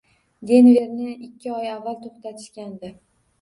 Denverni ikki oy avval to`xtatishgandi